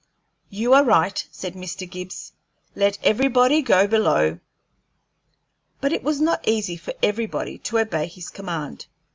"You are right," said Mr. Gibbs; "let everybody go below." But it was not easy for everybody to obey this command.